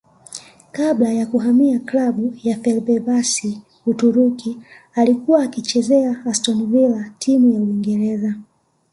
kabla ya kuhamia klabu ya Feberbahce Uturuki alikuwa akichezea Aston Villa timu ya Uingereza